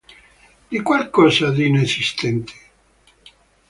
Di qualcosa di inesistente?